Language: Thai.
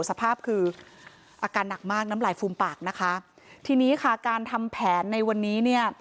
สภาพคืออาการหนักมากน้ำลายฟูมปากนะคะทีนี้ค่ะการทำแผนในวันนี้เนี่ย